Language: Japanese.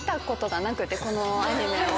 このアニメを。